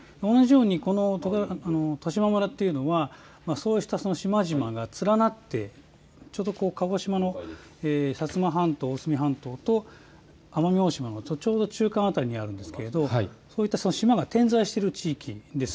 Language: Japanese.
この十島村というのはそうした島々が連なってちょうど鹿児島の大隅半島、奄美大島の中間辺りにあるんですがそういった島が点在している地域です。